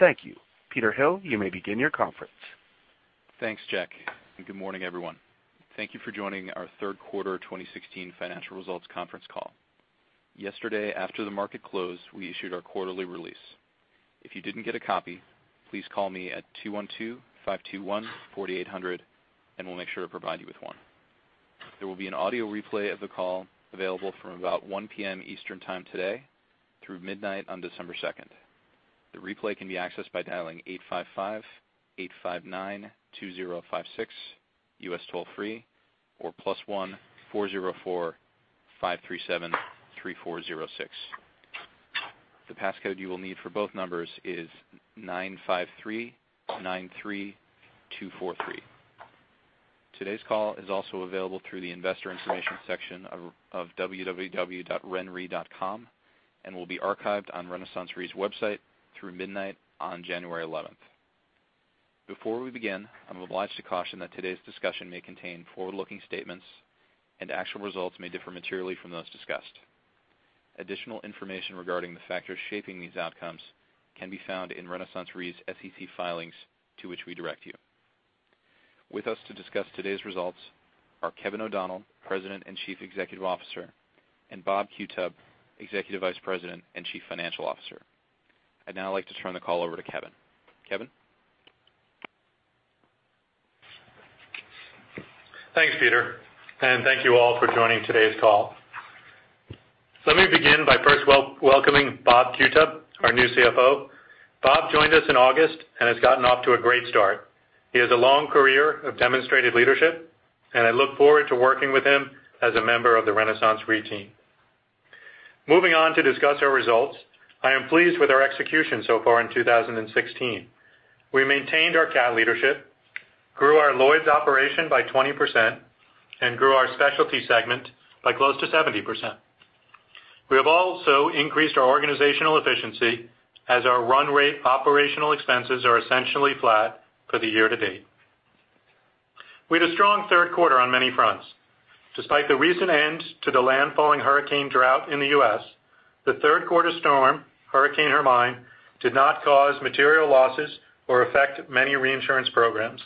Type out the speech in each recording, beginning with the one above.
Thank you. Peter Hill, you may begin your conference. Thanks, Jack, good morning, everyone. Thank you for joining our third quarter 2016 financial results conference call. Yesterday, after the market closed, we issued our quarterly release. If you didn't get a copy, please call me at 212-521-4800, we'll make sure to provide you with one. There will be an audio replay of the call available from about 1:00 P.M. Eastern time today through midnight on December 2nd. The replay can be accessed by dialing 855-859-2056 U.S. toll-free or +1 404-537-3406. The passcode you will need for both numbers is 95393243. Today's call is also available through the investor information section of www.renre.com and will be archived on RenaissanceRe's website through midnight on January 11th. Before we begin, I'm obliged to caution that today's discussion may contain forward-looking statements and actual results may differ materially from those discussed. Additional information regarding the factors shaping these outcomes can be found in RenaissanceRe's SEC filings to which we direct you. With us to discuss today's results are Kevin O'Donnell, President and Chief Executive Officer, and Bob Qutub, Executive Vice President and Chief Financial Officer. I'd now like to turn the call over to Kevin. Kevin? Thanks, Peter, thank you all for joining today's call. Let me begin by first welcoming Bob Qutub, our new CFO. Bob joined us in August and has gotten off to a great start. He has a long career of demonstrated leadership, I look forward to working with him as a member of the RenaissanceRe team. Moving on to discuss our results, I am pleased with our execution so far in 2016. We maintained our cat leadership, grew our Lloyd's operation by 20%, and grew our specialty segment by close to 70%. We have also increased our organizational efficiency as our run rate operational expenses are essentially flat for the year to date. We had a strong third quarter on many fronts. Despite the recent end to the landfalling hurricane drought in the U.S., the third-quarter storm, Hurricane Hermine, did not cause material losses or affect many reinsurance programs.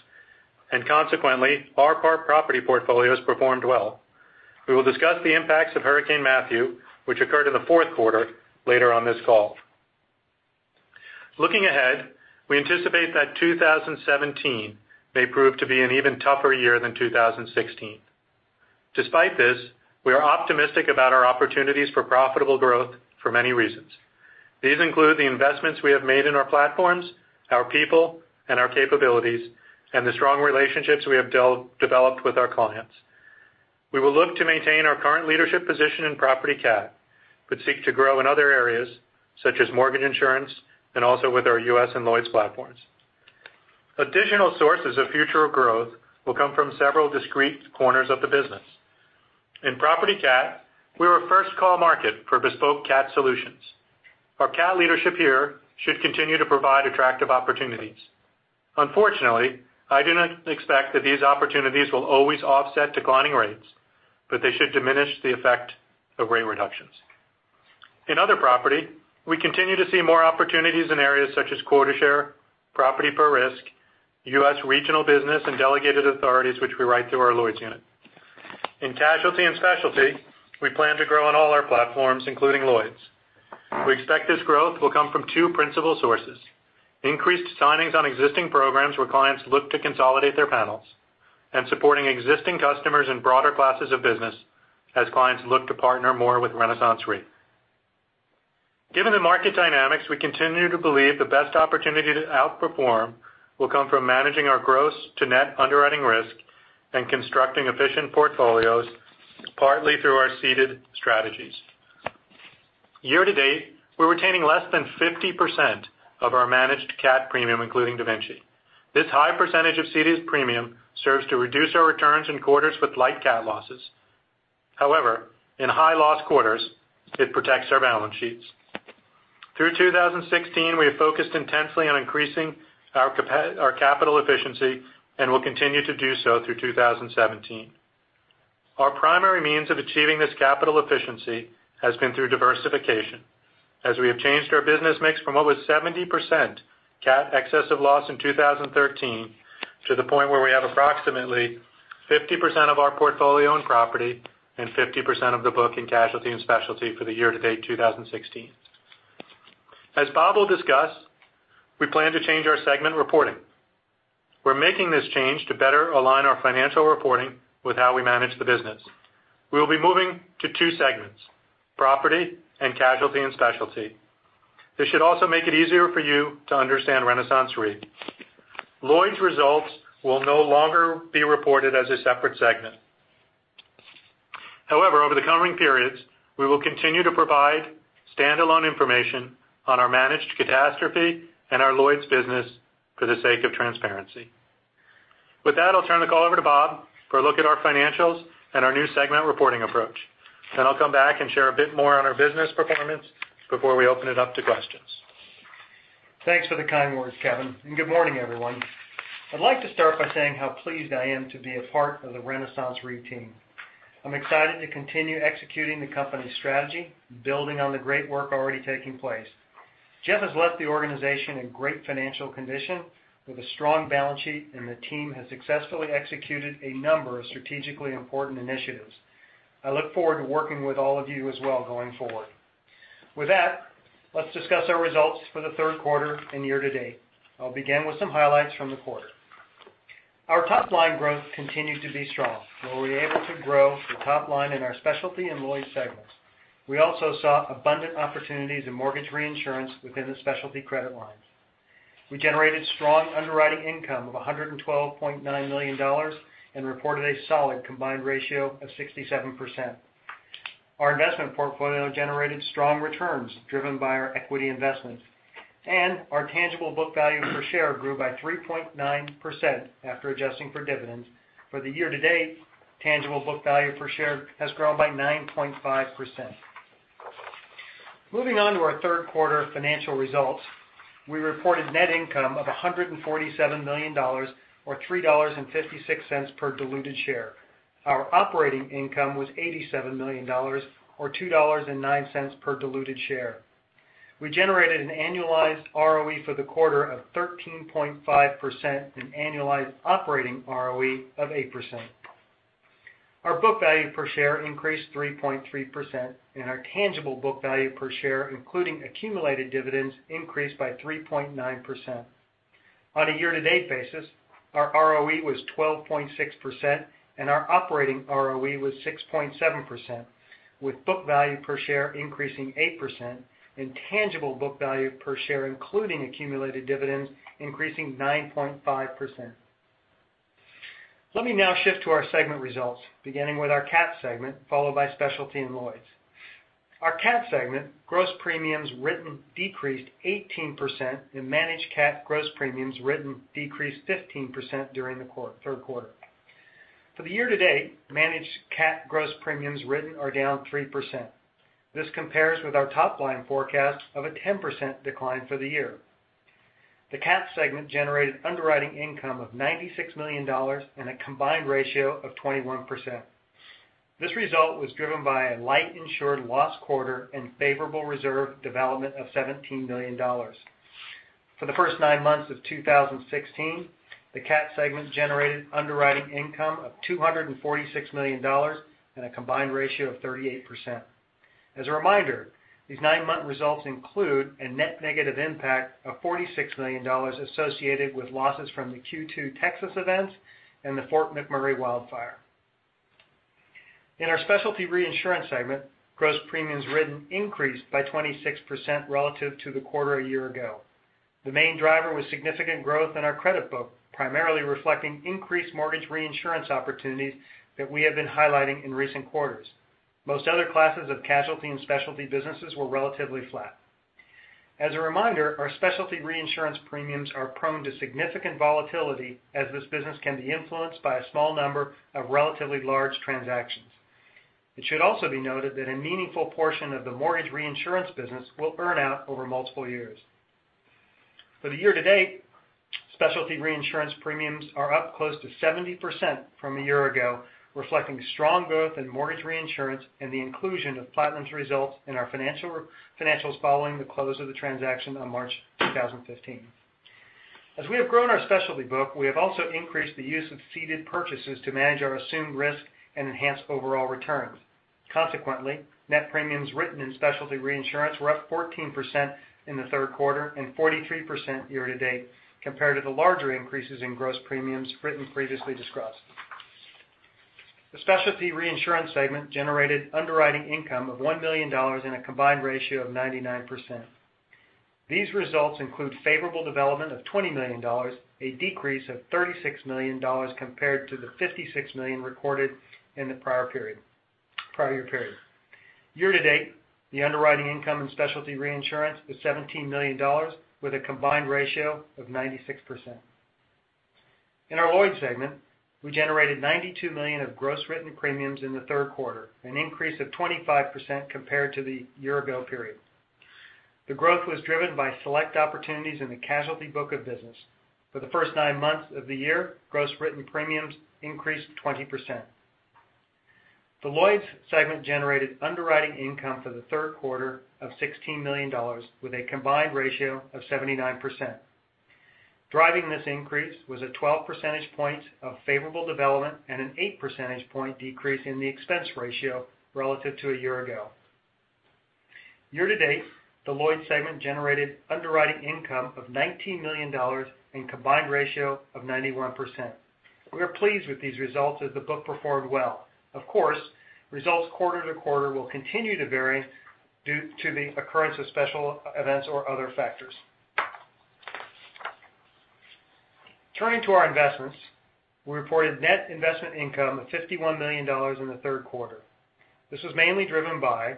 Consequently, our property portfolios performed well. We will discuss the impacts of Hurricane Matthew, which occurred in the fourth quarter, later on this call. Looking ahead, we anticipate that 2017 may prove to be an even tougher year than 2016. Despite this, we are optimistic about our opportunities for profitable growth for many reasons. These include the investments we have made in our platforms, our people, and our capabilities, and the strong relationships we have developed with our clients. We will look to maintain our current leadership position in property cat but seek to grow in other areas such as mortgage insurance and also with our U.S. and Lloyd's platforms. Additional sources of future growth will come from several discrete corners of the business. In property cat, we are a first-call market for bespoke cat solutions. Our cat leadership here should continue to provide attractive opportunities. Unfortunately, I do not expect that these opportunities will always offset declining rates, but they should diminish the effect of rate reductions. In other property, we continue to see more opportunities in areas such as quota share, property per risk, U.S. regional business, and delegated authorities, which we write through our Lloyd's unit. In casualty and specialty, we plan to grow on all our platforms, including Lloyd's. We expect this growth will come from two principal sources: increased signings on existing programs where clients look to consolidate their panels, and supporting existing customers in broader classes of business as clients look to partner more with RenaissanceRe. Given the market dynamics, we continue to believe the best opportunity to outperform will come from managing our gross to net underwriting risk and constructing efficient portfolios, partly through our ceded strategies. Year to date, we are retaining less than 50% of our managed cat premium, including DaVinci. This high percentage of ceded premium serves to reduce our returns in quarters with light cat losses. However, in high-loss quarters, it protects our balance sheets. Through 2016, we have focused intensely on increasing our capital efficiency and will continue to do so through 2017. Our primary means of achieving this capital efficiency has been through diversification, as we have changed our business mix from what was 70% cat excess of loss in 2013 to the point where we have approximately 50% of our portfolio in property and 50% of the book in casualty and specialty for the year-to-date 2016. As Bob will discuss, we plan to change our segment reporting. We are making this change to better align our financial reporting with how we manage the business. We will be moving to two segments, property and casualty and specialty. This should also make it easier for you to understand RenaissanceRe. Lloyd's results will no longer be reported as a separate segment. However, over the coming periods, we will continue to provide standalone information on our managed catastrophe and our Lloyd's business for the sake of transparency. With that, I will turn the call over to Bob for a look at our financials and our new segment reporting approach. I will come back and share a bit more on our business performance before we open it up to questions. Thanks for the kind words, Kevin, and good morning, everyone. I'd like to start by saying how pleased I am to be a part of the RenaissanceRe team. I'm excited to continue executing the company's strategy, building on the great work already taking place. Jeff has left the organization in great financial condition with a strong balance sheet, and the team has successfully executed a number of strategically important initiatives. I look forward to working with all of you as well going forward. With that, let's discuss our results for the third quarter and year to date. I'll begin with some highlights from the quarter. Our top-line growth continued to be strong. We were able to grow the top line in our Specialty and Lloyd's segments. We also saw abundant opportunities in mortgage reinsurance within the specialty credit lines. We generated strong underwriting income of $112.9 million and reported a solid combined ratio of 67%. Our investment portfolio generated strong returns driven by our equity investments, and our tangible book value per share grew by 3.9% after adjusting for dividends. For the year to date, tangible book value per share has grown by 9.5%. Moving on to our third quarter financial results, we reported net income of $147 million, or $3.56 per diluted share. Our operating income was $87 million, or $2.09 per diluted share. We generated an annualized ROE for the quarter of 13.5% and annualized operating ROE of 8%. Our book value per share increased 3.3%, and our tangible book value per share, including accumulated dividends, increased by 3.9%. On a year-to-date basis, our ROE was 12.6% and our operating ROE was 6.7%, with book value per share increasing 8% and tangible book value per share, including accumulated dividends, increasing 9.5%. Let me now shift to our segment results, beginning with our Cat segment, followed by Specialty and Lloyd's. Our Cat segment gross premiums written decreased 18%, and managed Cat gross premiums written decreased 15% during the third quarter. For the year to date, managed Cat gross premiums written are down 3%. This compares with our top-line forecast of a 10% decline for the year. The Cat segment generated underwriting income of $96 million and a combined ratio of 21%. This result was driven by a light insured loss quarter and favorable reserve development of $17 million. For the first nine months of 2016, the Cat segment generated underwriting income of $246 million and a combined ratio of 38%. As a reminder, these nine-month results include a net negative impact of $46 million associated with losses from the Q2 Texas events and the Fort McMurray wildfire. In our Specialty Reinsurance segment, gross premiums written increased by 26% relative to the quarter a year ago. The main driver was significant growth in our credit book, primarily reflecting increased mortgage reinsurance opportunities that we have been highlighting in recent quarters. Most other classes of casualty and specialty businesses were relatively flat. As a reminder, our specialty reinsurance premiums are prone to significant volatility as this business can be influenced by a small number of relatively large transactions. It should also be noted that a meaningful portion of the mortgage reinsurance business will earn out over multiple years. For the year to date, specialty reinsurance premiums are up close to 70% from a year ago, reflecting strong growth in mortgage reinsurance and the inclusion of Platinum's results in our financials following the close of the transaction on March 2015. As we have grown our specialty book, we have also increased the use of ceded purchases to manage our assumed risk and enhance overall returns. Consequently, net premiums written in specialty reinsurance were up 14% in the third quarter and 43% year to date, compared to the larger increases in gross premiums written previously discussed. The Specialty Reinsurance segment generated underwriting income of $1 million and a combined ratio of 99%. These results include favorable development of $20 million, a decrease of $36 million compared to the $56 million recorded in the prior year period. Year to date, the underwriting income and specialty reinsurance was $17 million, with a combined ratio of 96%. In our Lloyd's segment, we generated $92 million of gross written premiums in the third quarter, an increase of 25% compared to the year ago period. The growth was driven by select opportunities in the casualty book of business. For the first nine months of the year, gross written premiums increased 20%. The Lloyd's segment generated underwriting income for the third quarter of $16 million, with a combined ratio of 79%. Driving this increase was a 12 percentage points of favorable development and an eight percentage point decrease in the expense ratio relative to a year ago. Year to date, the Lloyd's segment generated underwriting income of $19 million and combined ratio of 91%. We are pleased with these results as the book performed well. Of course, results quarter to quarter will continue to vary due to the occurrence of special events or other factors. Turning to our investments, we reported net investment income of $51 million in the third quarter. This was mainly driven by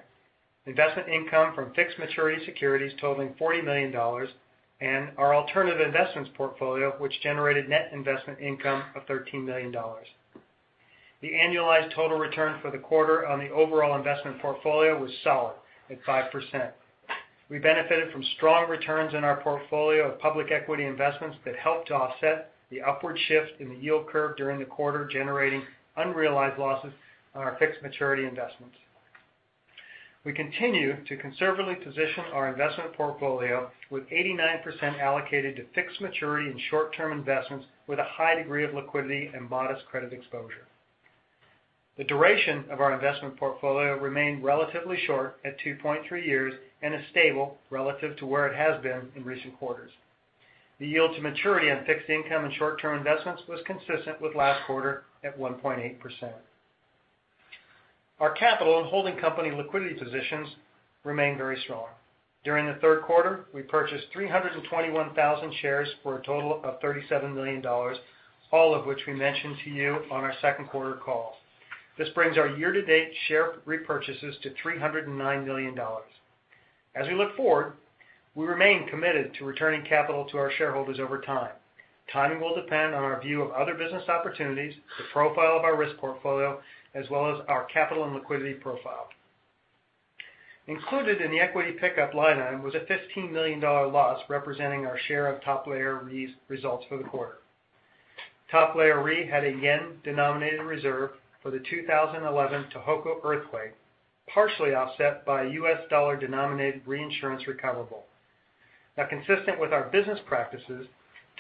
investment income from fixed maturity securities totaling $40 million and our alternative investments portfolio, which generated net investment income of $13 million. The annualized total return for the quarter on the overall investment portfolio was solid at 5%. We benefited from strong returns in our portfolio of public equity investments that helped to offset the upward shift in the yield curve during the quarter, generating unrealized losses on our fixed maturity investments. We continue to conservatively position our investment portfolio with 89% allocated to fixed maturity and short-term investments with a high degree of liquidity and modest credit exposure. The duration of our investment portfolio remained relatively short at 2.3 years and is stable relative to where it has been in recent quarters. The yield to maturity on fixed income and short-term investments was consistent with last quarter at 1.8%. Our capital and holding company liquidity positions remain very strong. During the third quarter, we purchased 321,000 shares for a total of $37 million, all of which we mentioned to you on our second quarter call. This brings our year-to-date share repurchases to $309 million. As we look forward, we remain committed to returning capital to our shareholders over time. Timing will depend on our view of other business opportunities, the profile of our risk portfolio, as well as our capital and liquidity profile. Included in the equity pick-up line item was a $15 million loss representing our share of Top Layer Re results for the quarter. Top Layer Re had a JPY-denominated reserve for the 2011 Tohoku earthquake, partially offset by a U.S. dollar-denominated reinsurance recoverable. Consistent with our business practices,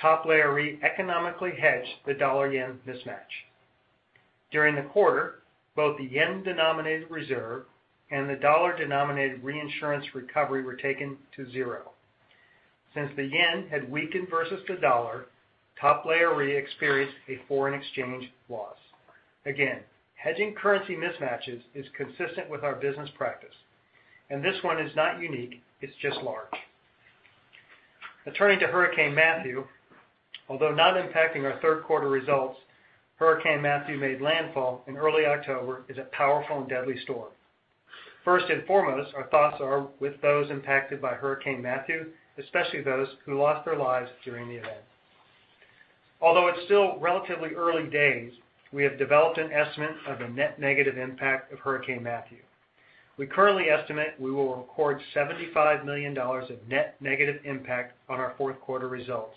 Top Layer Re economically hedged the dollar-JPY mismatch. During the quarter, both the JPY-denominated reserve and the dollar-denominated reinsurance recovery were taken to zero. Since the JPY had weakened versus the dollar, Top Layer Re experienced a foreign exchange loss. Hedging currency mismatches is consistent with our business practice, and this one is not unique, it's just large. Turning to Hurricane Matthew, although not impacting our third quarter results, Hurricane Matthew made landfall in early October as a powerful and deadly storm. First and foremost, our thoughts are with those impacted by Hurricane Matthew, especially those who lost their lives during the event. Although it's still relatively early days, we have developed an estimate of a net negative impact of Hurricane Matthew. We currently estimate we will record $75 million of net negative impact on our fourth quarter results.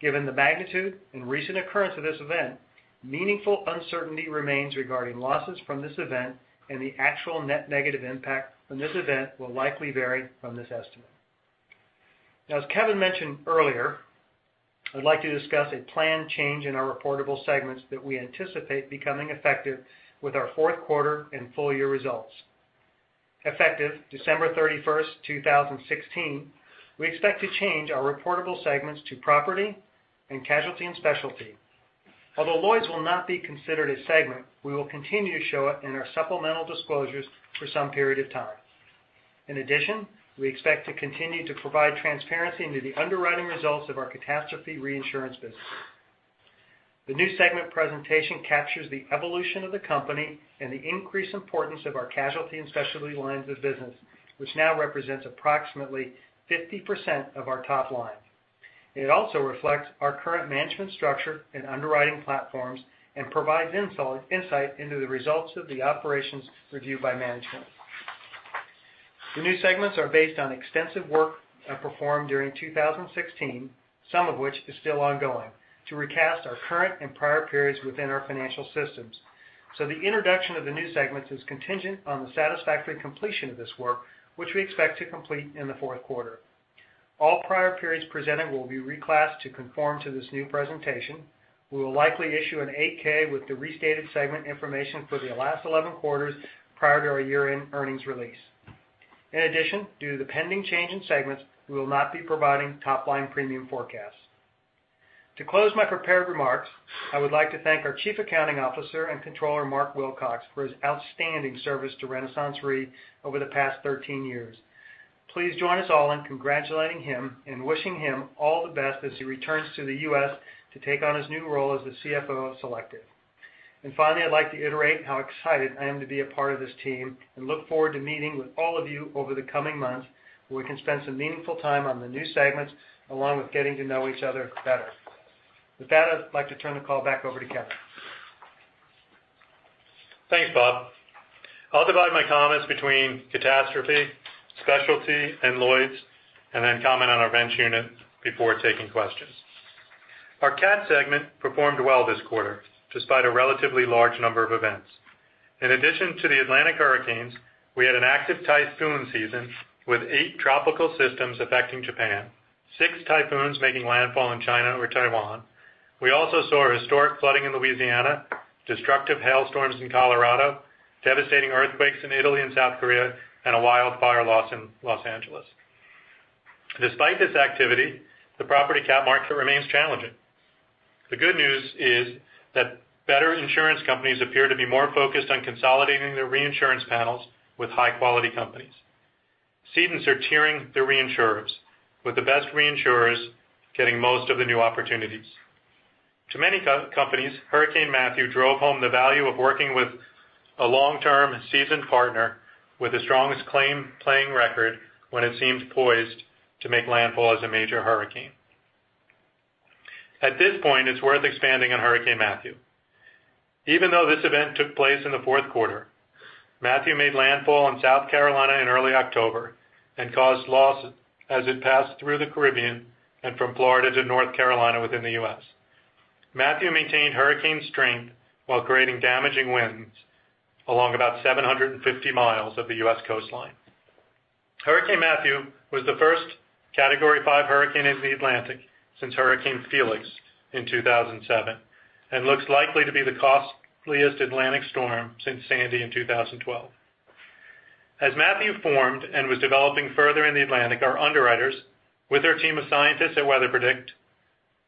Given the magnitude and recent occurrence of this event, meaningful uncertainty remains regarding losses from this event and the actual net negative impact from this event will likely vary from this estimate. As Kevin mentioned earlier, I'd like to discuss a planned change in our reportable segments that we anticipate becoming effective with our fourth quarter and full year results. Effective December 31st, 2016, we expect to change our reportable segments to Property and Casualty and Specialty. Although Lloyd's will not be considered a segment, we will continue to show it in our supplemental disclosures for some period of time. In addition, we expect to continue to provide transparency into the underwriting results of our catastrophe reinsurance business. The new segment presentation captures the evolution of the company and the increased importance of our Casualty and Specialty lines of business, which now represents approximately 50% of our top line. It also reflects our current management structure and underwriting platforms and provides insight into the results of the operations reviewed by management. The new segments are based on extensive work performed during 2016, some of which is still ongoing, to recast our current and prior periods within our financial systems. The introduction of the new segments is contingent on the satisfactory completion of this work, which we expect to complete in the fourth quarter. All prior periods presented will be reclassed to conform to this new presentation. We will likely issue an 8-K with the restated segment information for the last 11 quarters prior to our year-end earnings release. Due to the pending change in segments, we will not be providing top-line premium forecasts. To close my prepared remarks, I would like to thank our Chief Accounting Officer and Corporate Controller, Mark Wilcox, for his outstanding service to RenaissanceRe over the past 13 years. Please join us all in congratulating him and wishing him all the best as he returns to the U.S. to take on his new role as the CFO of Selective. I'd like to iterate how excited I am to be a part of this team and look forward to meeting with all of you over the coming months, where we can spend some meaningful time on the new segments along with getting to know each other better. I'd like to turn the call back over to Kevin. Thanks, Bob. I'll divide my comments between catastrophe, specialty, and Lloyd's, and then comment on our bench unit before taking questions. Our cat segment performed well this quarter, despite a relatively large number of events. In addition to the Atlantic hurricanes, we had an active typhoon season with 8 tropical systems affecting Japan, 6 typhoons making landfall in China or Taiwan. We also saw historic flooding in Louisiana, destructive hailstorms in Colorado, devastating earthquakes in Italy and South Korea, and a wildfire loss in Los Angeles. Despite this activity, the property cat market remains challenging. The good news is that better insurance companies appear to be more focused on consolidating their reinsurance panels with high-quality companies. Cedents are tiering their reinsurers, with the best reinsurers getting most of the new opportunities. To many companies, Hurricane Matthew drove home the value of working with a long-term, seasoned partner with the strongest claim playing record when it seems poised to make landfall as a major hurricane. At this point, it's worth expanding on Hurricane Matthew. Even though this event took place in the fourth quarter, Matthew made landfall in South Carolina in early October and caused loss as it passed through the Caribbean and from Florida to North Carolina within the U.S. Matthew maintained hurricane strength while creating damaging winds along about 750 miles of the U.S. coastline. Hurricane Matthew was the first Category 5 hurricane in the Atlantic since Hurricane Felix in 2007, and looks likely to be the costliest Atlantic storm since Sandy in 2012. As Matthew formed and was developing further in the Atlantic, our underwriters, with their team of scientists at WeatherPredict,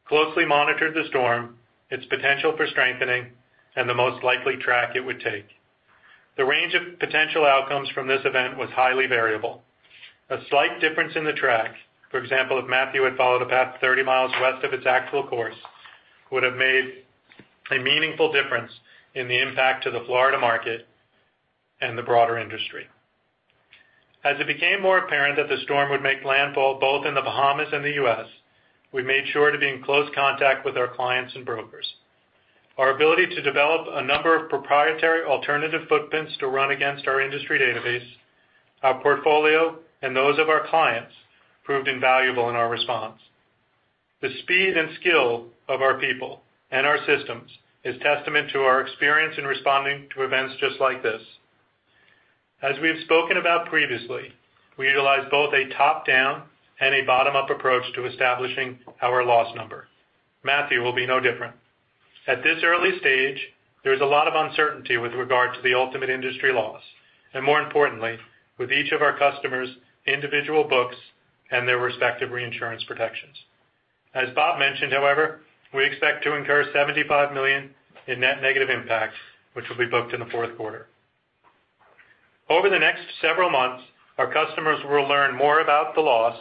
closely monitored the storm, its potential for strengthening, and the most likely track it would take. The range of potential outcomes from this event was highly variable. A slight difference in the track, for example if Matthew had followed a path 30 miles west of its actual course, would have made a meaningful difference in the impact to the Florida market and the broader industry. As it became more apparent that the storm would make landfall both in the Bahamas and the U.S., we made sure to be in close contact with our clients and brokers. Our ability to develop a number of proprietary alternative footprints to run against our industry database, our portfolio, and those of our clients proved invaluable in our response. The speed and skill of our people and our systems is testament to our experience in responding to events just like this. As we've spoken about previously, we utilize both a top-down and a bottom-up approach to establishing our loss number. Matthew will be no different. At this early stage, there is a lot of uncertainty with regard to the ultimate industry loss, and more importantly, with each of our customers' individual books and their respective reinsurance protections. As Bob mentioned, however, we expect to incur $75 million in net negative impacts, which will be booked in the fourth quarter. Over the next several months, our customers will learn more about the loss,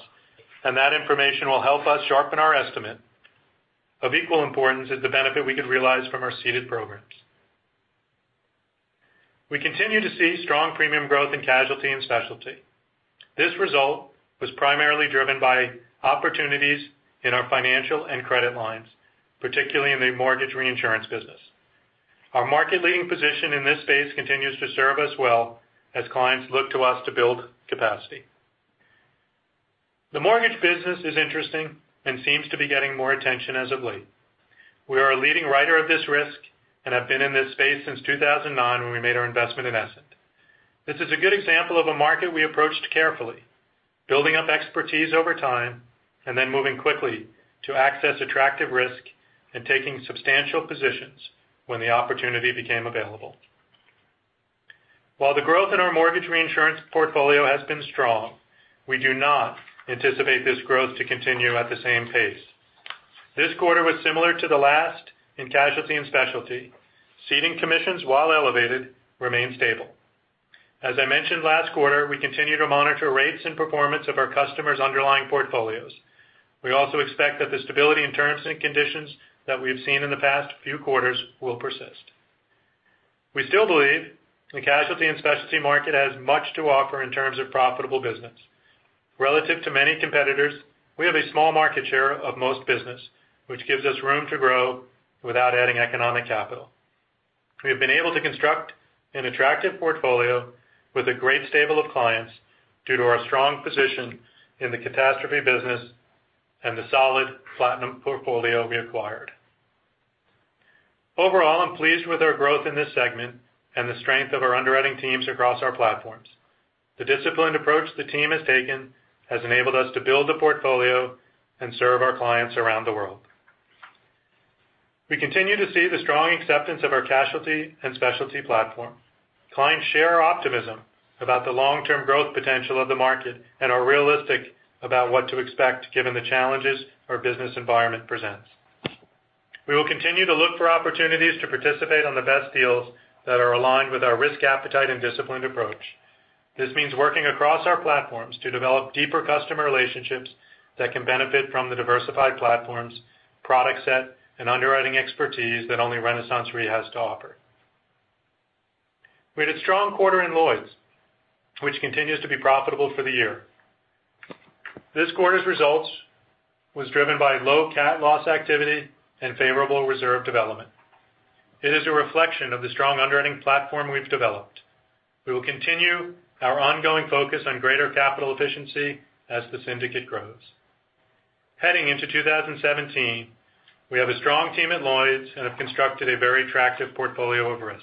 and that information will help us sharpen our estimate. Of equal importance is the benefit we could realize from our ceded programs. We continue to see strong premium growth in casualty and specialty. This result was primarily driven by opportunities in our financial and credit lines, particularly in the mortgage reinsurance business. Our market-leading position in this space continues to serve us well as clients look to us to build capacity. The mortgage business is interesting and seems to be getting more attention as of late. We are a leading writer of this risk and have been in this space since 2009 when we made our investment in Essent. This is a good example of a market we approached carefully, building up expertise over time and then moving quickly to access attractive risk and taking substantial positions when the opportunity became available. While the growth in our mortgage reinsurance portfolio has been strong, we do not anticipate this growth to continue at the same pace. This quarter was similar to the last in casualty and specialty. Ceding commissions, while elevated, remain stable. As I mentioned last quarter, we continue to monitor rates and performance of our customers' underlying portfolios. We also expect that the stability in terms and conditions that we have seen in the past few quarters will persist. We still believe the casualty and specialty market has much to offer in terms of profitable business. Relative to many competitors, we have a small market share of most business, which gives us room to grow without adding economic capital. We have been able to construct an attractive portfolio with a great stable of clients due to our strong position in the catastrophe business and the solid Platinum portfolio we acquired. Overall, I'm pleased with our growth in this segment and the strength of our underwriting teams across our platforms. The disciplined approach the team has taken has enabled us to build a portfolio and serve our clients around the world. We continue to see the strong acceptance of our casualty and specialty platform. Clients share our optimism about the long-term growth potential of the market and are realistic about what to expect given the challenges our business environment presents. We will continue to look for opportunities to participate on the best deals that are aligned with our risk appetite and disciplined approach. This means working across our platforms to develop deeper customer relationships that can benefit from the diversified platforms, product set, and underwriting expertise that only RenaissanceRe has to offer. We had a strong quarter in Lloyd's, which continues to be profitable for the year. This quarter's results was driven by low cat loss activity and favorable reserve development. It is a reflection of the strong underwriting platform we've developed. We will continue our ongoing focus on greater capital efficiency as the syndicate grows. Heading into 2017, we have a strong team at Lloyd's and have constructed a very attractive portfolio of risk.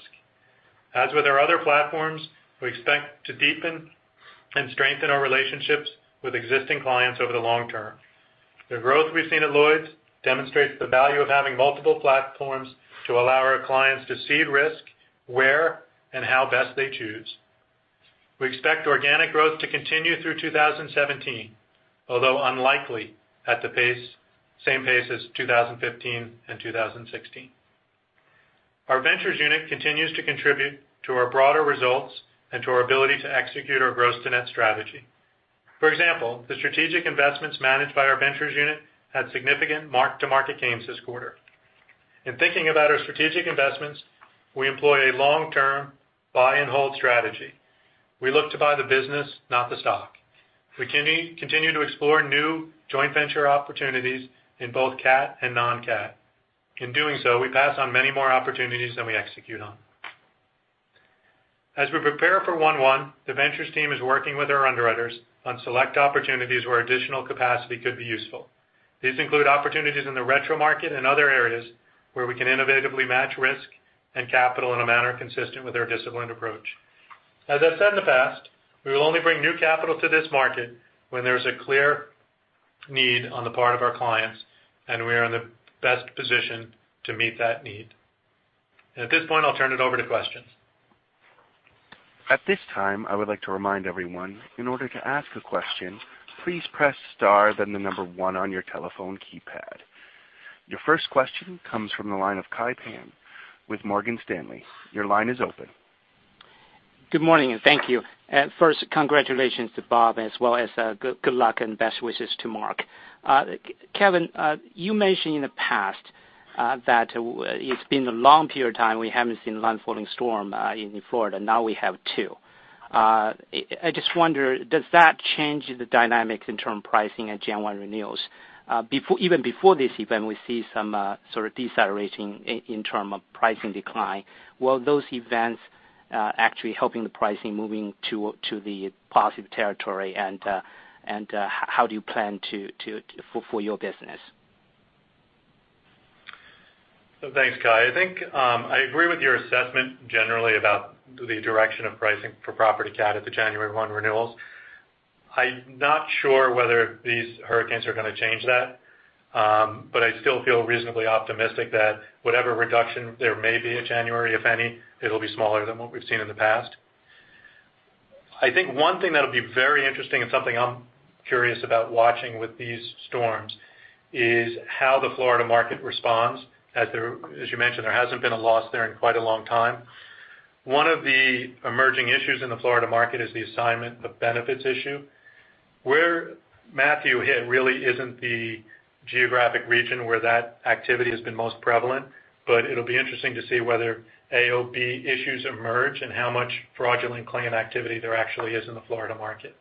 As with our other platforms, we expect to deepen and strengthen our relationships with existing clients over the long term. The growth we've seen at Lloyd's demonstrates the value of having multiple platforms to allow our clients to cede risk where and how best they choose. We expect organic growth to continue through 2017, although unlikely at the same pace as 2015 and 2016. Our ventures unit continues to contribute to our broader results and to our ability to execute our gross-to-net strategy. For example, the strategic investments managed by our ventures unit had significant mark-to-market gains this quarter. In thinking about our strategic investments, we employ a long-term buy and hold strategy. We look to buy the business, not the stock. We continue to explore new joint venture opportunities in both cat and non-cat. In doing so, we pass on many more opportunities than we execute on. As we prepare for 1/1, the ventures team is working with our underwriters on select opportunities where additional capacity could be useful. These include opportunities in the retro market and other areas where we can innovatively match risk and capital in a manner consistent with our disciplined approach. As I've said in the past, we will only bring new capital to this market when there's a clear need on the part of our clients, and we are in the best position to meet that need. At this point, I'll turn it over to questions. At this time, I would like to remind everyone, in order to ask a question, please press star then the number one on your telephone keypad. Your first question comes from the line of Kai Pan with Morgan Stanley. Your line is open. Good morning, thank you. First, congratulations to Bob, as well as good luck and best wishes to Mark. Kevin, you mentioned in the past that it's been a long period of time we haven't seen a landfalling storm in Florida. Now we have two. I just wonder, does that change the dynamics in term pricing at January renewals? Even before this event, we see some sort of decelerating in term of pricing decline. Will those events actually helping the pricing moving to the positive territory? How do you plan for your business? Thanks, Kai. I think I agree with your assessment generally about the direction of pricing for Property Catastrophe at the January one renewals. I'm not sure whether these hurricanes are going to change that. I still feel reasonably optimistic that whatever reduction there may be in January, if any, it'll be smaller than what we've seen in the past. I think one thing that'll be very interesting and something I'm curious about watching with these storms is how the Florida market responds as you mentioned, there hasn't been a loss there in quite a long time. One of the emerging issues in the Florida market is the assignment of benefits issue. Where Matthew hit really isn't the geographic region where that activity has been most prevalent, but it'll be interesting to see whether AOB issues emerge and how much fraudulent claim activity there actually is in the Florida market.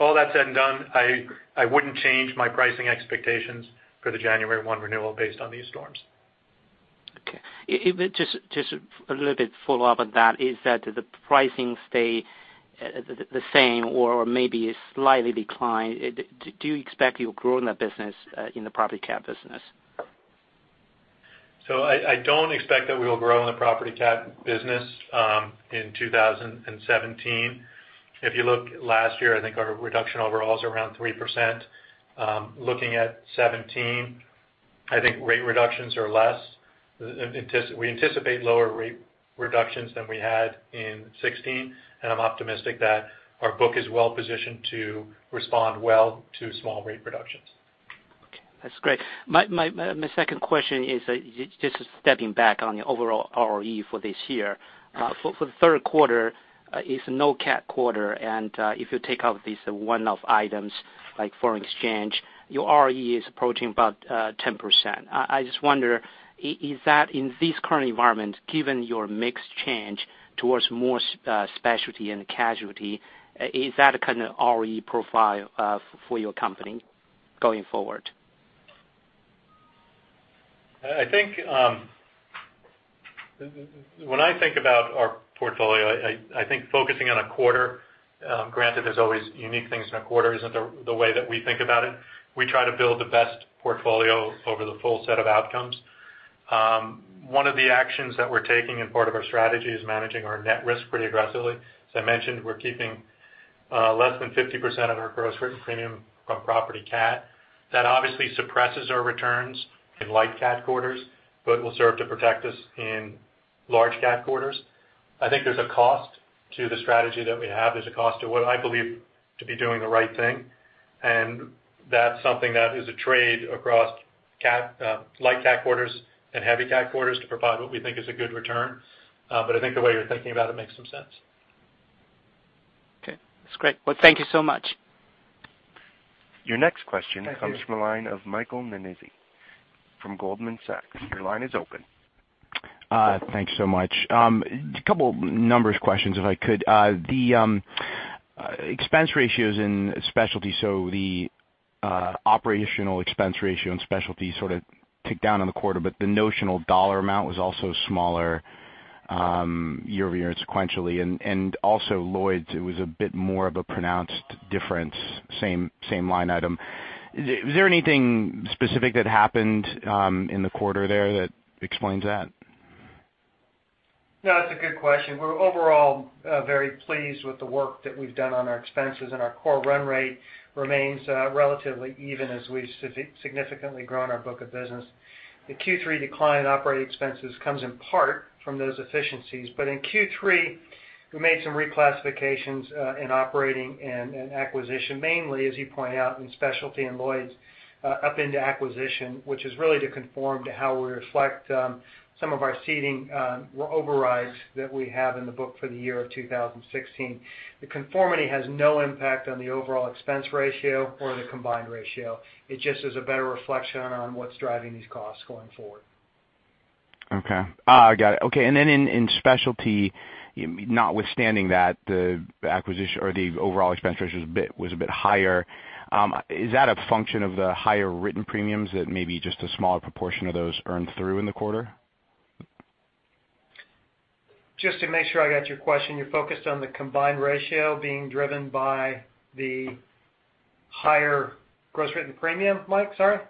All that said and done, I wouldn't change my pricing expectations for the January one renewal based on these storms. Okay. Just a little bit follow-up on that, is that the pricing stay the same or maybe slightly decline. Do you expect you'll grow in the business, in the Property Catastrophe business? I don't expect that we will grow in the Property Catastrophe business in 2017. If you look last year, I think our reduction overall is around 3%. Looking at 2017, I think rate reductions are less. We anticipate lower rate reductions than we had in 2016, and I'm optimistic that our book is well positioned to respond well to small rate reductions. Okay. That's great. My second question is just stepping back on your overall ROE for this year. For the third quarter is no cat quarter, and if you take out these one-off items, like foreign exchange, your ROE is approaching about 10%. I just wonder, is that in this current environment, given your mix change towards more specialty and casualty, is that a kind of ROE profile for your company going forward? When I think about our portfolio, I think focusing on a quarter, granted there's always unique things in a quarter, isn't the way that we think about it. We try to build the best portfolio over the full set of outcomes. One of the actions that we're taking and part of our strategy is managing our net risk pretty aggressively. As I mentioned, we're keeping less than 50% of our gross written premium from Property Catastrophe. That obviously suppresses our returns in light cat quarters but will serve to protect us in large cat quarters. I think there's a cost to the strategy that we have. There's a cost to what I believe to be doing the right thing, and that's something that is a trade across light cat quarters and heavy cat quarters to provide what we think is a good return. I think the way you're thinking about it makes some sense. Okay. That's great. Well, thank you so much. Your next question comes from the line of Michael Nannizzi from Goldman Sachs. Your line is open. Thanks so much. Couple numbers questions if I could. The expense ratios in specialty, so the operational expense ratio in specialty sort of ticked down on the quarter, but the notional dollar amount was also smaller year-over-year and sequentially. Also Lloyd's, it was a bit more of a pronounced difference, same line item. Is there anything specific that happened in the quarter there that explains that? No, that's a good question. We're overall very pleased with the work that we've done on our expenses, and our core run rate remains relatively even as we've significantly grown our book of business. The Q3 decline in operating expenses comes in part from those efficiencies. In Q3, we made some reclassifications in operating and in acquisition, mainly, as you point out, in specialty and Lloyd's up into acquisition, which is really to conform to how we reflect some of our ceding overrides that we have in the book for the year of 2016. The conformity has no impact on the overall expense ratio or the combined ratio. It just is a better reflection on what's driving these costs going forward. Okay. I got it. In specialty, notwithstanding that the acquisition or the overall expense ratio was a bit higher, is that a function of the higher written premiums that maybe just a smaller proportion of those earned through in the quarter? Just to make sure I got your question, you're focused on the combined ratio being driven by the higher gross written premium, Mike, sorry?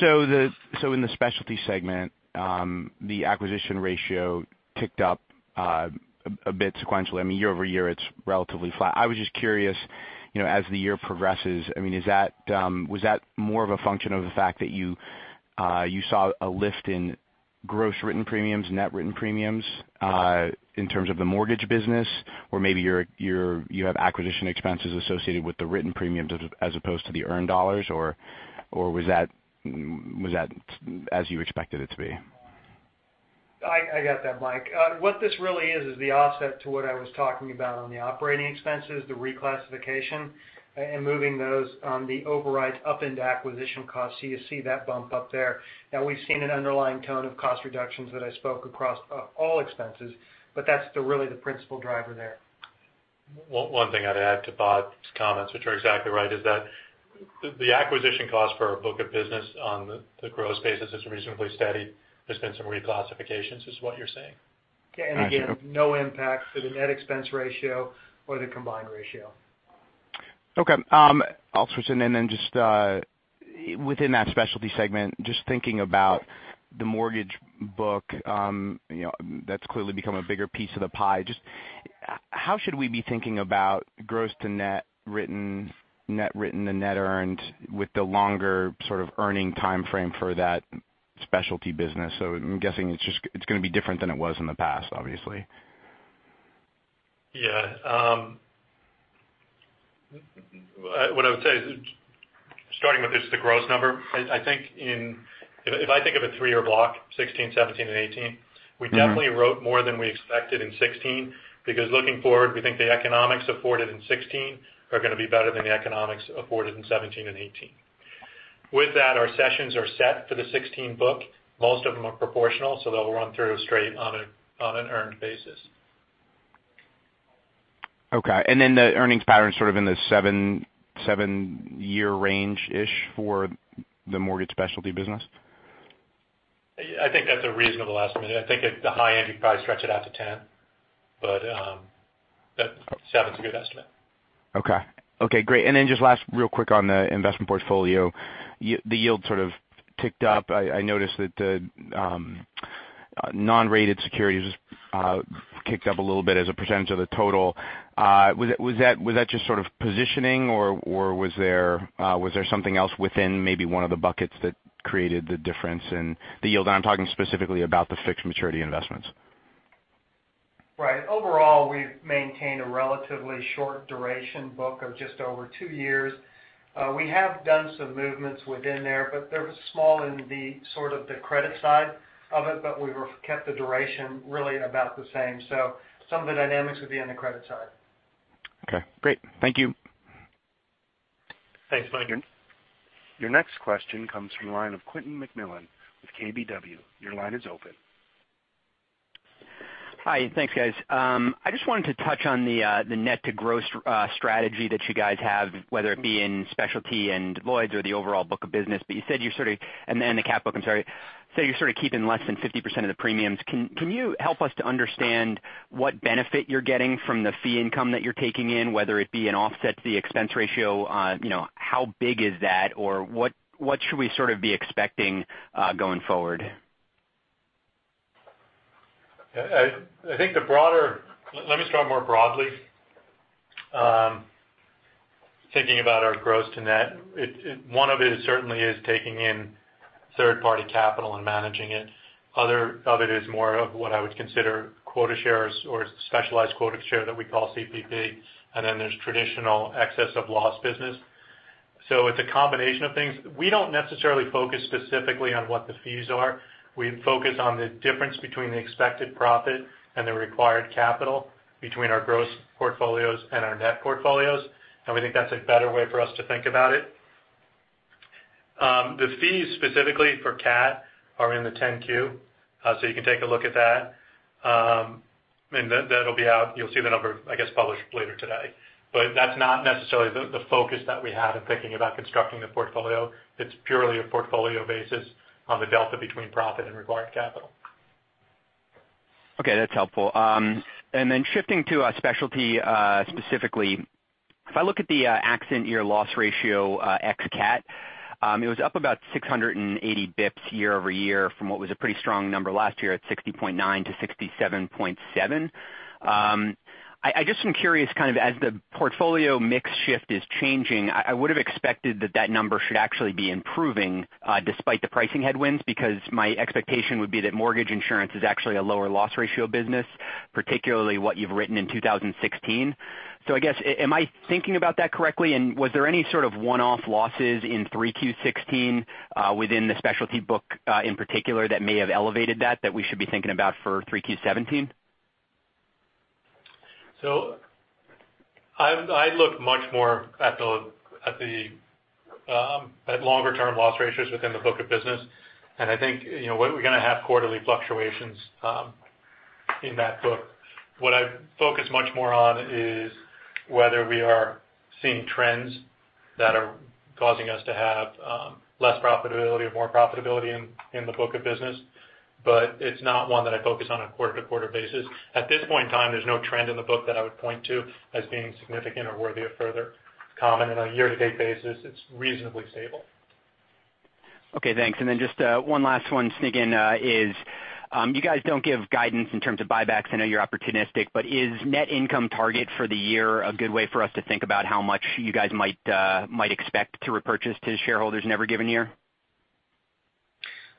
In the specialty segment, the acquisition ratio ticked up a bit sequentially. I mean, year-over-year, it's relatively flat. I was just curious, as the year progresses, was that more of a function of the fact that you saw a lift in gross written premiums, net written premiums, in terms of the mortgage business? Or maybe you have acquisition expenses associated with the written premiums as opposed to the earned dollars, or was that as you expected it to be? I got that, Mike. What this really is the offset to what I was talking about on the operating expenses, the reclassification, and moving those on the overrides up into acquisition costs, so you see that bump up there. We've seen an underlying tone of cost reductions that I spoke across all expenses, but that's really the principal driver there. One thing I'd add to Bob's comments, which are exactly right, is that the acquisition cost for a book of business on the gross basis is reasonably steady. There's been some reclassifications, is what you're saying. Got you. Again, no impact to the net expense ratio or the combined ratio. Okay. I'll switch in, then just within that specialty segment, just thinking about the mortgage book, that's clearly become a bigger piece of the pie. Just how should we be thinking about gross to net written, net written to net earned with the longer sort of earning timeframe for that specialty business? I'm guessing it's going to be different than it was in the past, obviously. Yeah. What I would say is, starting with just the gross number, if I think of a three-year block, 2016, 2017, and 2018. We definitely wrote more than we expected in 2016, because looking forward, we think the economics afforded in 2016 are going to be better than the economics afforded in 2017 and 2018. With that, our cessions are set for the 2016 book. Most of them are proportional, so they'll run through straight on an earned basis. Okay, the earnings pattern's sort of in the seven-year range-ish for the mortgage specialty business? I think that's a reasonable estimate. I think at the high end, you'd probably stretch it out to 10, but seven's a good estimate. Okay. Okay, great. Just last real quick on the investment portfolio. The yield sort of ticked up. I noticed that the non-rated securities kicked up a little bit as a percentage of the total. Was that just sort of positioning, or was there something else within maybe one of the buckets that created the difference in the yield? I'm talking specifically about the fixed maturity investments. Right. Overall, we've maintained a relatively short duration book of just over two years. We have done some movements within there, they're small in the credit side of it, we kept the duration really about the same. Some of the dynamics would be on the credit side. Okay, great. Thank you. Thanks, Mike. Your next question comes from the line of Quentin McMillan with KBW. Your line is open. Hi, thanks guys. I just wanted to touch on the net to gross strategy that you guys have, whether it be in specialty and Lloyd's or the overall book of business. You said you sort of, and the cat book, I'm sorry, say you're sort of keeping less than 50% of the premiums. Can you help us to understand what benefit you're getting from the fee income that you're taking in, whether it be an offset to the expense ratio? How big is that, or what should we sort of be expecting going forward? Let me start more broadly. Thinking about our gross to net, one of it certainly is taking in third-party capital and managing it. Other of it is more of what I would consider quota shares or specialized quota share that we call CPP, and then there's traditional excess of loss business. It's a combination of things. We don't necessarily focus specifically on what the fees are. We focus on the difference between the expected profit and the required capital between our gross portfolios and our net portfolios, and we think that's a better way for us to think about it. The fees specifically for cat are in the 10-Q, so you can take a look at that. That'll be out, you'll see the number, I guess, published later today. That's not necessarily the focus that we have in thinking about constructing the portfolio. It's purely a portfolio basis on the delta between profit and required capital. Okay, that's helpful. Then shifting to specialty specifically, if I look at the accident year loss ratio ex cat, it was up about 680 basis points year-over-year from what was a pretty strong number last year at 60.9 to 67.7. I just am curious kind of as the portfolio mix shift is changing, I would've expected that that number should actually be improving despite the pricing headwinds, because my expectation would be that mortgage reinsurance is actually a lower loss ratio business, particularly what you've written in 2016. I guess, am I thinking about that correctly, and was there any sort of one-off losses in Q3 2016 within the specialty book in particular that may have elevated that we should be thinking about for Q3 2017? I look much more at longer-term loss ratios within the book of business, and I think we're going to have quarterly fluctuations in that book. What I focus much more on is whether we are seeing trends that are causing us to have less profitability or more profitability in the book of business. It's not one that I focus on a quarter-to-quarter basis. At this point in time, there's no trend in the book that I would point to as being significant or worthy of further comment. On a year-to-date basis, it's reasonably stable. Okay, thanks. Just one last one to sneak in is, you guys don't give guidance in terms of buybacks. I know you're opportunistic, but is net income target for the year a good way for us to think about how much you guys might expect to repurchase to shareholders in every given year?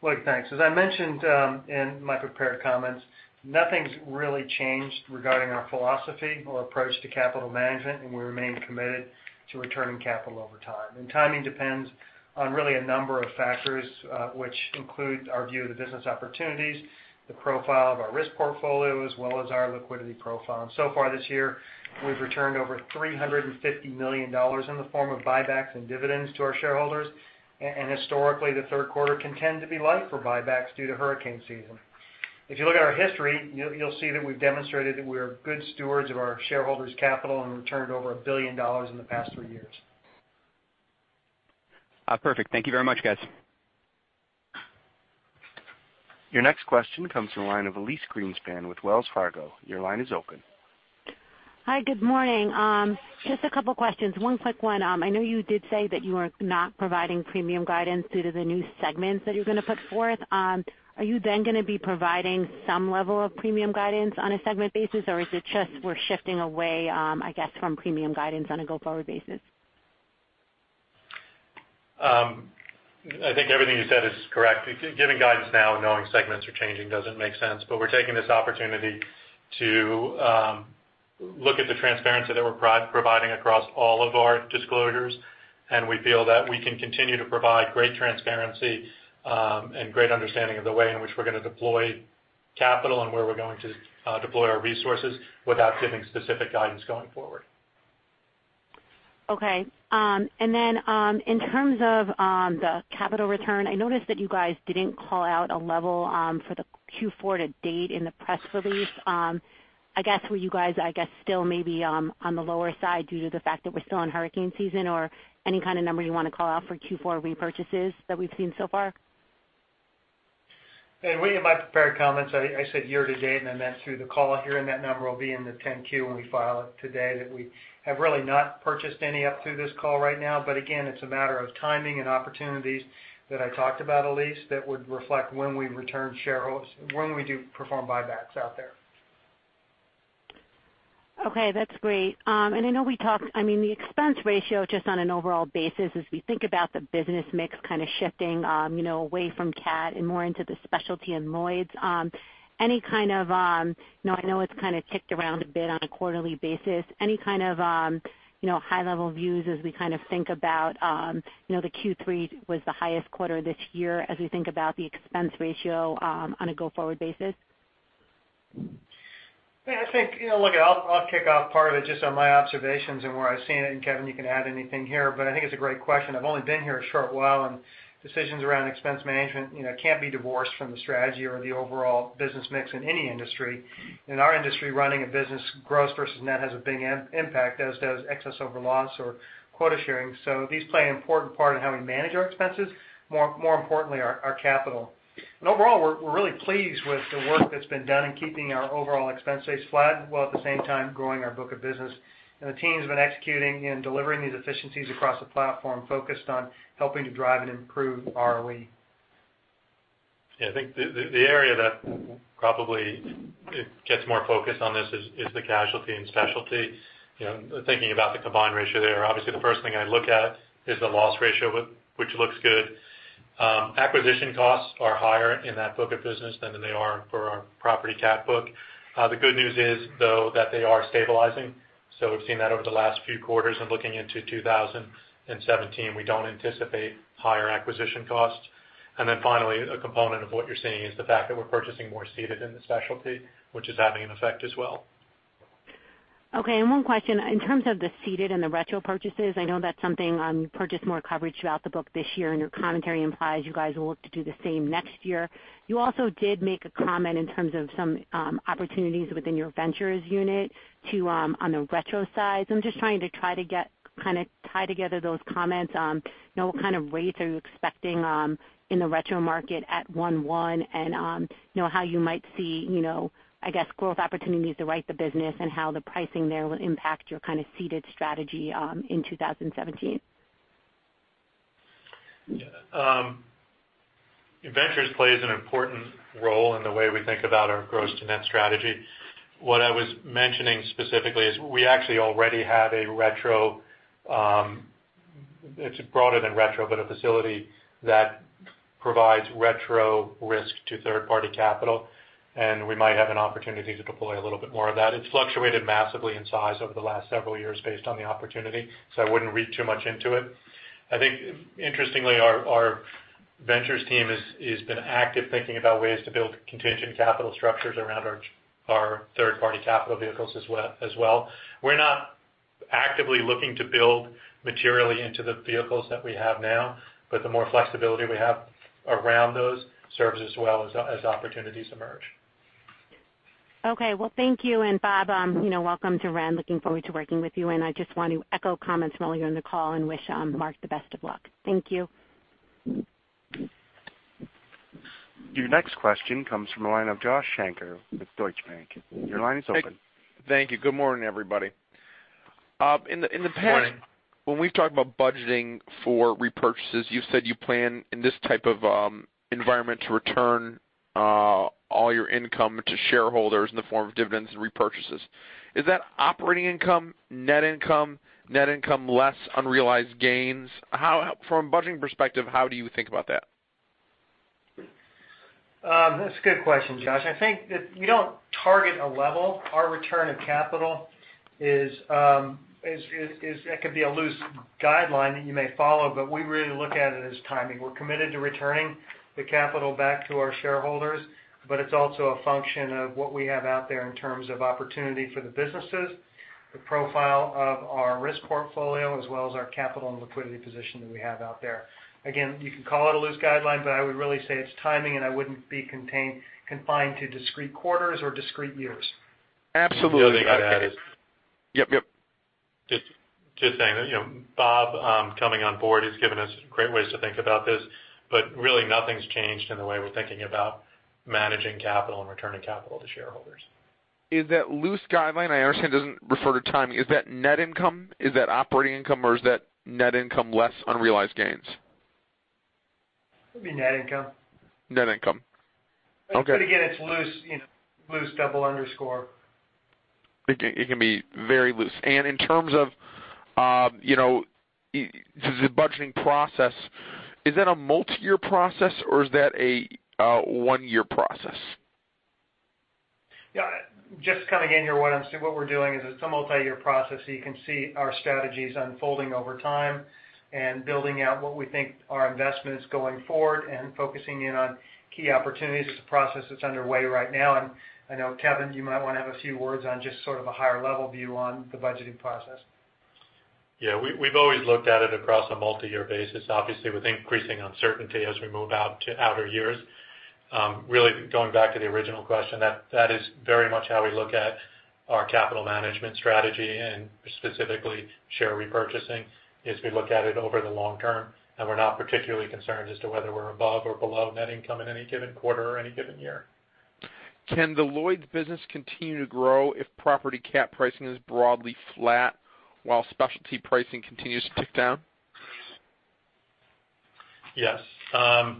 Look, thanks. As I mentioned in my prepared comments, nothing's really changed regarding our philosophy or approach to capital management, and we remain committed to returning capital over time. Timing depends on really a number of factors, which include our view of the business opportunities, the profile of our risk portfolio, as well as our liquidity profile. So far this year, we've returned over $350 million in the form of buybacks and dividends to our shareholders. Historically, the third quarter can tend to be light for buybacks due to hurricane season. If you look at our history, you'll see that we've demonstrated that we are good stewards of our shareholders' capital and returned over $1 billion in the past three years. Perfect. Thank you very much, guys. Your next question comes from the line of Elyse Greenspan with Wells Fargo. Your line is open. Hi, good morning. Just a couple of questions. One quick one. I know you did say that you are not providing premium guidance due to the new segments that you're going to put forth. Are you going to be providing some level of premium guidance on a segment basis, or is it just we're shifting away, I guess, from premium guidance on a go-forward basis? I think everything you said is correct. Giving guidance now and knowing segments are changing doesn't make sense. We're taking this opportunity to look at the transparency that we're providing across all of our disclosures, and we feel that we can continue to provide great transparency and great understanding of the way in which we're going to deploy capital and where we're going to deploy our resources without giving specific guidance going forward. Okay. In terms of the capital return, I noticed that you guys didn't call out a level for the Q4 to date in the press release. Were you guys still maybe on the lower side due to the fact that we're still in hurricane season or any kind of number you want to call out for Q4 repurchases that we've seen so far? Hey, in my prepared comments, I said year to date. I meant through the call here, that number will be in the 10-Q when we file it today, that we have really not purchased any up through this call right now. Again, it's a matter of timing and opportunities that I talked about, Elyse, that would reflect when we return shares, when we do perform buybacks out there. Okay, that's great. I know we talked, the expense ratio, just on an overall basis as we think about the business mix kind of shifting away from cat and more into the specialty and Lloyds. I know it's kind of ticked around a bit on a quarterly basis. Any kind of high-level views as we think about the Q3 was the highest quarter this year as we think about the expense ratio on a go-forward basis? I think, look, I'll kick off part of it just on my observations and where I've seen it, and Kevin, you can add anything here, but I think it's a great question. I've only been here a short while, and decisions around expense management can't be divorced from the strategy or the overall business mix in any industry. In our industry, running a business gross to net has a big impact, as does excess of loss or quota share. These play an important part in how we manage our expenses, more importantly, our capital. Overall, we're really pleased with the work that's been done in keeping our overall expense base flat, while at the same time growing our book of business. The team's been executing and delivering these efficiencies across the platform focused on helping to drive and improve ROE. I think the area that probably gets more focus on this is the casualty and specialty. Thinking about the combined ratio there, obviously the first thing I look at is the loss ratio, which looks good. Acquisition costs are higher in that book of business than they are for our Property Catastrophe book. The good news is, though, that they are stabilizing. We've seen that over the last few quarters and looking into 2017, we don't anticipate higher acquisition costs. Then finally, a component of what you're seeing is the fact that we're purchasing more ceded in the specialty, which is having an effect as well. Okay. One question, in terms of the ceded and the retrocession purchases, I know that's something you purchased more coverage throughout the book this year, and your commentary implies you guys will look to do the same next year. You also did make a comment in terms of some opportunities within your ventures unit on the retrocession side. I'm just trying to tie together those comments on what kind of rates are you expecting in the retrocession market at 1/1, and how you might see, I guess, growth opportunities to write the business and how the pricing there will impact your ceded strategy in 2017. Yeah. Ventures plays an important role in the way we think about our gross to net strategy. What I was mentioning specifically is we actually already have a retrocession, it is broader than retrocession, but a facility that provides retrocession risk to third-party capital, and we might have an opportunity to deploy a little bit more of that. It has fluctuated massively in size over the last several years based on the opportunity, so I would not read too much into it. I think interestingly, our Ventures team has been active thinking about ways to build contingent capital structures around our third-party capital vehicles as well. We are not actively looking to build materially into the vehicles that we have now, but the more flexibility we have around those serves us well as opportunities emerge. Okay. Well, thank you. Bob, welcome to RenRe. Looking forward to working with you. I just want to echo comments from earlier in the call and wish Mark the best of luck. Thank you. Your next question comes from the line of Joshua Shanker with Deutsche Bank. Your line is open. Thank you. Good morning, everybody. Morning. In the past, when we've talked about budgeting for repurchases, you've said you plan in this type of environment to return all your income to shareholders in the form of dividends and repurchases. Is that operating income, net income, net income less unrealized gains? From a budgeting perspective, how do you think about that? That's a good question, Josh. I think that we don't target a level. Our return of capital could be a loose guideline that you may follow, but we really look at it as timing. We're committed to returning the capital back to our shareholders, but it's also a function of what we have out there in terms of opportunity for the businesses, the profile of our risk portfolio, as well as our capital and liquidity position that we have out there. Again, you can call it a loose guideline, but I would really say it's timing, and I wouldn't be confined to discrete quarters or discrete years. Absolutely. Got it. The other thing I'd add is. Yep. Just saying that Bob coming on board has given us great ways to think about this, but really nothing's changed in the way we're thinking about managing capital and returning capital to shareholders. Is that loose guideline, I understand it doesn't refer to timing, is that net income? Is that operating income, or is that net income less unrealized gains? It'd be net income. Net income. Okay. It's loose, double underscore. It can be very loose. In terms of the budgeting process, is that a multi-year process, or is that a one-year process? Just coming in here, what I'm seeing, what we're doing is it's a multi-year process, so you can see our strategies unfolding over time and building out what we think are investments going forward and focusing in on key opportunities. It's a process that's underway right now, and I know, Kevin, you might want to have a few words on just sort of a higher level view on the budgeting process. We've always looked at it across a multi-year basis, obviously with increasing uncertainty as we move out to outer years. Really going back to the original question, that is very much how we look at our capital management strategy and specifically share repurchasing, is we look at it over the long term, and we're not particularly concerned as to whether we're above or below net income in any given quarter or any given year. Can the Lloyd's business continue to grow if Property Cat pricing is broadly flat while specialty pricing continues to tick down? Yes. The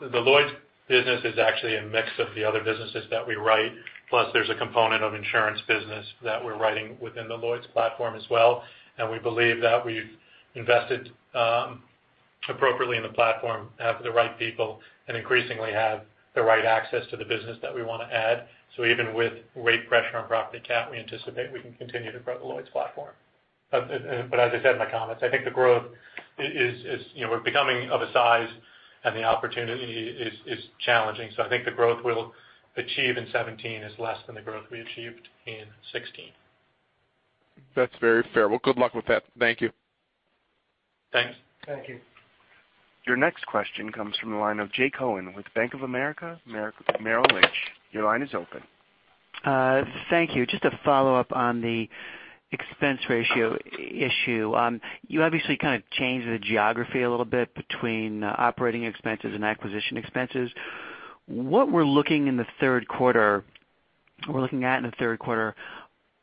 Lloyd's business is actually a mix of the other businesses that we write, plus there's a component of insurance business that we're writing within the Lloyd's platform as well. We believe that we've invested appropriately in the platform, have the right people, and increasingly have the right access to the business that we want to add. Even with rate pressure on Property Cat, we anticipate we can continue to grow the Lloyd's platform. As I said in my comments, I think the growth is we're becoming of a size and the opportunity is challenging. I think the growth we'll achieve in 2017 is less than the growth we achieved in 2016. That's very fair. Well, good luck with that. Thank you. Thanks. Thank you. Your next question comes from the line of Jay Cohen with Bank of America Merrill Lynch. Your line is open. Thank you. Just a follow-up on the expense ratio issue. You obviously kind of changed the geography a little bit between operating expenses and acquisition expenses. What we're looking at in the third quarter,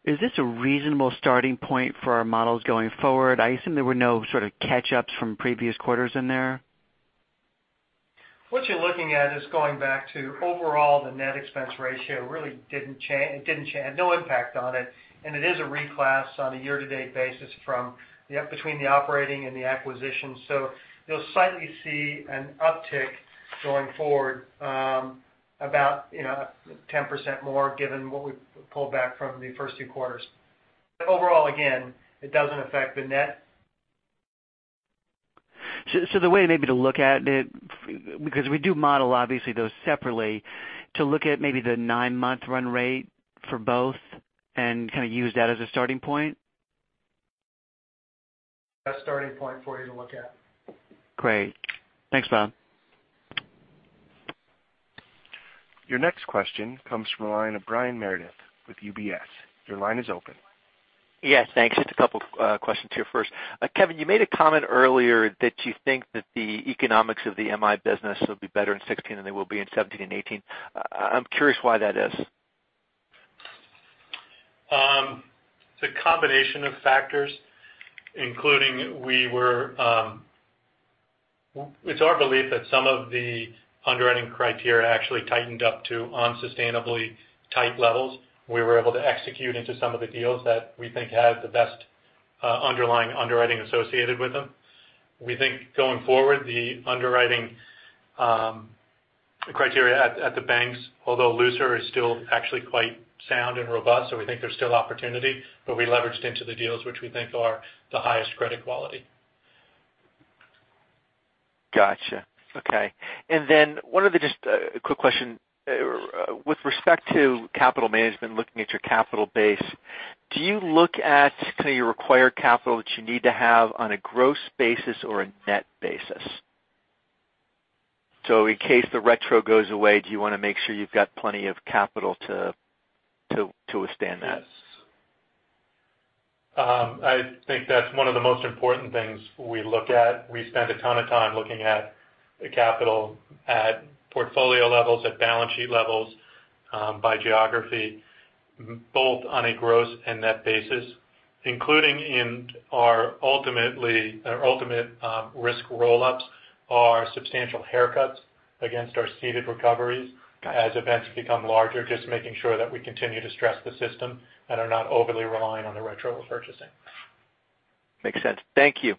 is this a reasonable starting point for our models going forward? I assume there were no sort of catch-ups from previous quarters in there. What you're looking at is going back to overall the net expense ratio really had no impact on it, and it is a reclass on a year-to-date basis between the operating and the acquisition. You'll slightly see an uptick going forward, about 10% more given what we pulled back from the first two quarters. Overall, again, it doesn't affect the net. The way maybe to look at it, because we do model obviously those separately, to look at maybe the nine-month run rate for both and kind of use that as a starting point? A starting point for you to look at. Great. Thanks, Bob. Your next question comes from the line of Brian Meredith with UBS. Your line is open. Yes, thanks. Just a couple questions here. First, Kevin, you made a comment earlier that you think that the economics of the MI business will be better in 2016 than they will be in 2017 and 2018. I'm curious why that is. It's a combination of factors, including it's our belief that some of the underwriting criteria actually tightened up to unsustainably tight levels. We were able to execute into some of the deals that we think had the best underlying underwriting associated with them. We think going forward, the underwriting criteria at the banks, although looser, is still actually quite sound and robust. We think there's still opportunity, but we leveraged into the deals which we think are the highest credit quality. Got you. Okay. One other just quick question. With respect to capital management, looking at your capital base, do you look at kind of your required capital that you need to have on a gross basis or a net basis? In case the retrocession goes away, do you want to make sure you've got plenty of capital to withstand that? Yes. I think that's one of the most important things we look at. We spend a ton of time looking at the capital at portfolio levels, at balance sheet levels, by geography, both on a gross and net basis, including in our ultimate risk roll-ups are substantial haircuts against our ceded recoveries as events become larger, just making sure that we continue to stress the system and are not overly reliant on the retrocession purchasing. Makes sense. Thank you.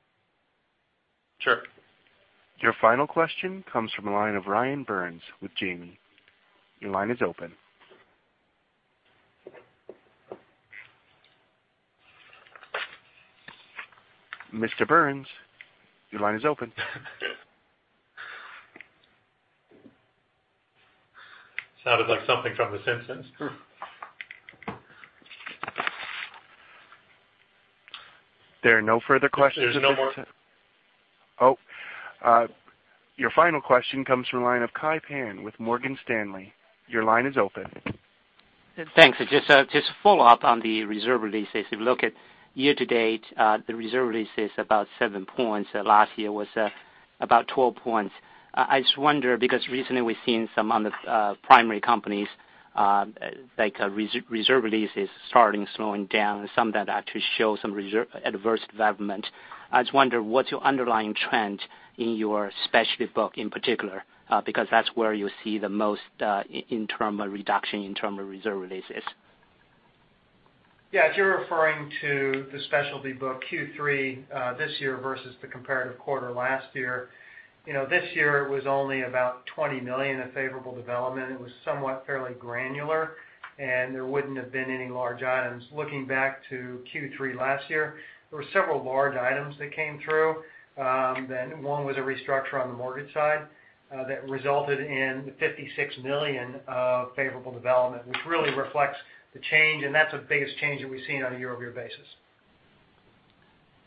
Sure. Your final question comes from the line of Ryan Tunis with Janney. Your line is open. Mr. Tunis, your line is open. Sounded like something from "The Simpsons. There are no further questions at this. There's no more. Oh. Your final question comes from the line of Kai Pan with Morgan Stanley. Your line is open. Thanks. Just to follow up on the reserve releases. If you look at year to date, the reserve release is about 7 points. Last year was about 12 points. I just wonder because recently we've seen some of the primary companies, like reserve release is starting slowing down, and some that actually show some adverse development. I just wonder, what's your underlying trend in your specialty book in particular? Because that's where you see the most in terms of reduction, in terms of reserve releases. Yeah. If you're referring to the specialty book Q3 this year versus the comparative quarter last year. This year was only about $20 million in favorable development. It was somewhat fairly granular, and there wouldn't have been any large items. Looking back to Q3 last year, there were several large items that came through. One was a restructure on the mortgage side that resulted in the $56 million of favorable development, which really reflects the change, and that's the biggest change that we've seen on a year-over-year basis.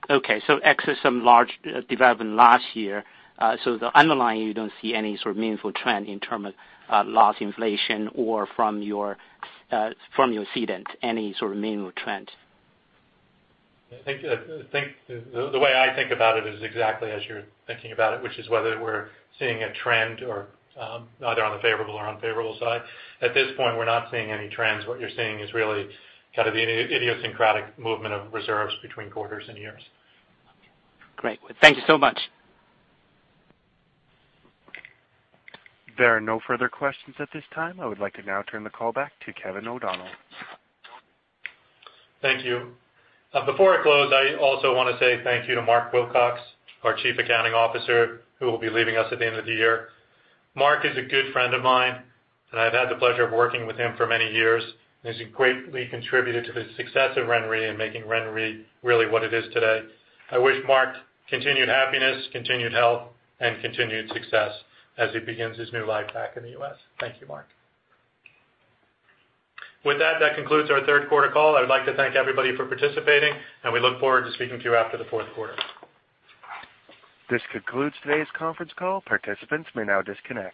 Okay. Ex some large development last year. The underlying, you don't see any sort of meaningful trend in terms of loss inflation, or from your cedent, any sort of meaningful trend? The way I think about it is exactly as you're thinking about it, which is whether we're seeing a trend or either on the favorable or unfavorable side. At this point, we're not seeing any trends. What you're seeing is really kind of the idiosyncratic movement of reserves between quarters and years. Great. Thank you so much. There are no further questions at this time. I would like to now turn the call back to Kevin O'Donnell. Thank you. Before I close, I also want to say thank you to Mark Wilcox, our Chief Accounting Officer, who will be leaving us at the end of the year. Mark is a good friend of mine, and I've had the pleasure of working with him for many years, and he's greatly contributed to the success of RenRe and making RenRe really what it is today. I wish Mark continued happiness, continued health, and continued success as he begins his new life back in the U.S. Thank you, Mark. With that concludes our third quarter call. I'd like to thank everybody for participating, and we look forward to speaking to you after the fourth quarter. This concludes today's conference call. Participants may now disconnect.